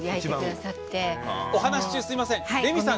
お話し中、すみまさん。